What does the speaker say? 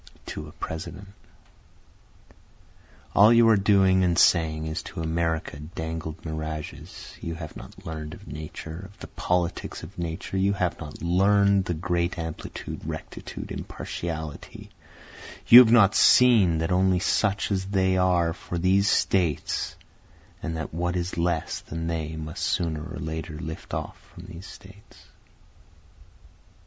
To a President All you are doing and saying is to America dangled mirages, You have not learn'd of Nature of the politics of Nature you have not learn'd the great amplitude, rectitude, impartiality, You have not seen that only such as they are for these States, And that what is less than they must sooner or later lift off from these States.